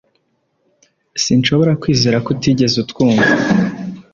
Sinshobora kwizera ko utigeze utwumva